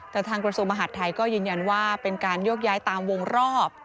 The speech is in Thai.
แต่ทางกระทรวงมหาดไทยก็ยืนยันว่าเป็นการโยกย้ายตามวงรอบ